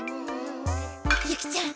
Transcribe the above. ユキちゃん